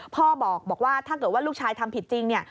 พ่อบอกว่าถ้าเกิดว่าลูกชายทำผิดจริงเนี่ย